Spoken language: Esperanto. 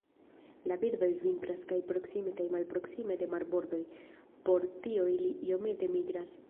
La birdoj vintras kaj proksime kaj malproksime de marbordoj, por tio ili iomete migras.